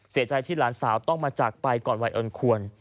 เสียใจที่หลานสาวต้องมาจากไปก่อนวัยเอิญควร